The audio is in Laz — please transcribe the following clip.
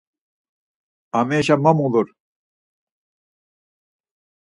Amerişa mo mulur.